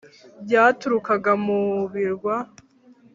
byaturukaga mu birwa